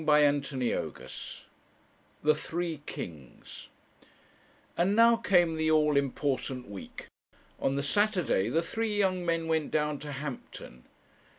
CHAPTER XI THE THREE KINGS And now came the all important week. On the Saturday the three young men went down to Hampton.